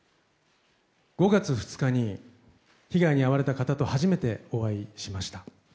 ５月２日に被害に遭われた方と初めてお会いしました。